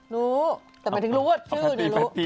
รู้แต่ไม่ถึงรู้ว่าชื่อดูรู้